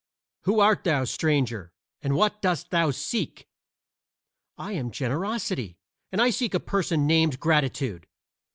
"Who art thou, stranger, and what dost thou seek?" "I am Generosity, and I seek a person named Gratitude."